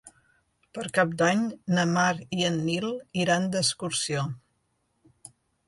Per Cap d'Any na Mar i en Nil iran d'excursió.